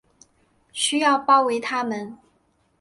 需要包围他们